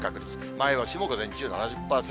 前橋も午前中７０％。